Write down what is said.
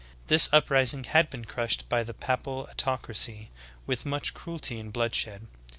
This uprising had been crushed by the papal autocracy with much cruelty and bloodshed.